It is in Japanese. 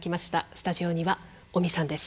スタジオには尾身さんです。